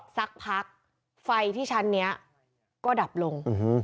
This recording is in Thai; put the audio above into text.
สักพักไฟที่ชั้นนี้ก็ดับลง